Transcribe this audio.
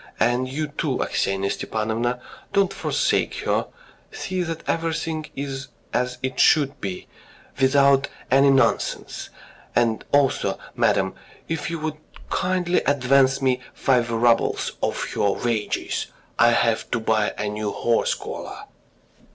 And you, too, Aksinya Stepanovna, do not forsake her, see that everything is as it should be ... without any nonsense. ... And also, madam, if you would kindly advance me five roubles of her wages. I have got to buy a new horse collar."